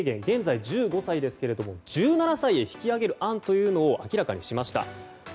現在１５歳ですけれども１７歳へ引き上げる案を明らかにしました。